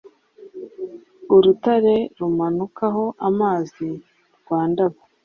Urutare rumanukaho amazi rwa Ndaba,